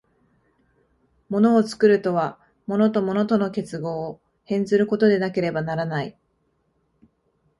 物を作るとは、物と物との結合を変ずることでなければならない。